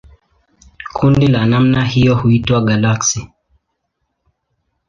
Kundi la namna hiyo huitwa galaksi.